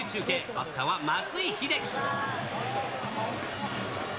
バッターは松井秀喜。